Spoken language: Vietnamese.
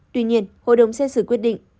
tuy nhiên hội đồng xét xử quyết định